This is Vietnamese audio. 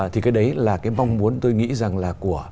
thì cái đấy là cái mong muốn tôi nghĩ rằng là của